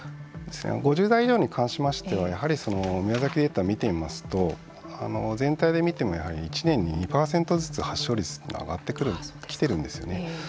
５０代以上に関しましてはやはり宮崎データを見てみますと全体で見ても１年に２％ずつ発症率というのが上がってきているんですね。